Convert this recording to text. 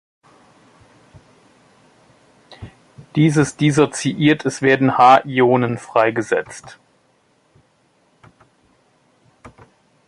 Dieses dissoziiert, es werden H-Ionen freigesetzt.